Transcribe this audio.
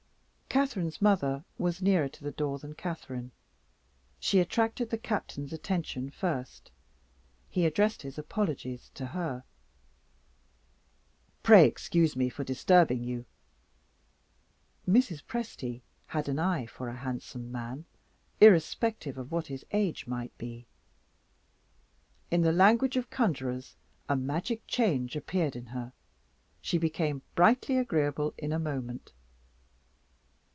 Catherine's mother was nearer to the door than Catherine; she attracted the Captain's attention first. He addressed his apologies to her. "Pray excuse me for disturbing you " Mrs. Presty had an eye for a handsome man, irrespective of what his age might be. In the language of the conjurors a "magic change" appeared in her; she became brightly agreeable in a moment.